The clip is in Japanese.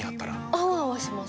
アワアワします